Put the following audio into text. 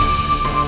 mesti dia kapur